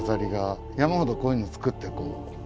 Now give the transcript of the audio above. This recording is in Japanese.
山ほどこういうのを作ってこう。